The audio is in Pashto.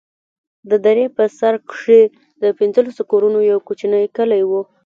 د درې په سر کښې د پنځلسو كورونو يو كوچنى كلى و.